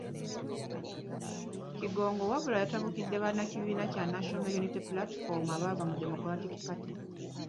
Kigongo wabula yatabukidde bannakibiina kya National Unity Platform abaava mu Democratic Party.